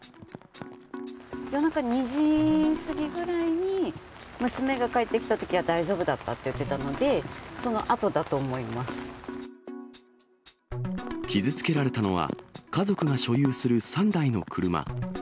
夜中２時過ぎぐらいに、娘が帰ってきたときは大丈夫だったと言ってたので、そのあとだと傷つけられたのは、家族が所有する３台の車。